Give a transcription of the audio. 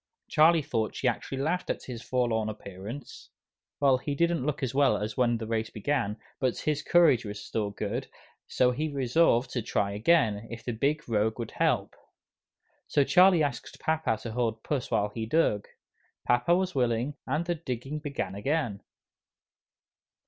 Charlie thought she actually laughed at his forlorn appearance. Well, he didn't look as well as when the race began, but his courage was still good; so he resolved to try again, if the Big Rogue would help. So Charlie asked papa to hold Puss while he dug. Papa was willing, and the digging began again.